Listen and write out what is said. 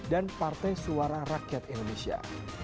partai suara rakyat indonesia